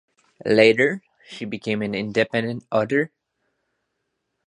Later she became an independent author.